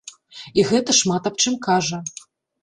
І гэта шмат аб чым кажа.